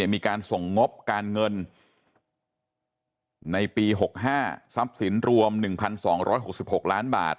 มีการส่งงบการเงินในปี๖๕ทรัพย์สินรวม๑๒๖๖ล้านบาท